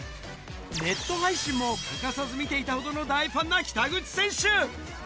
ネット配信も欠かさず見ていたほどの大ファンな北口選手。